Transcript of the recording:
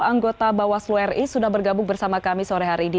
anggota bawaslu ri sudah bergabung bersama kami sore hari ini